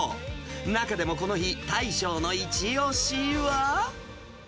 中でもこの日、大将の一押しは。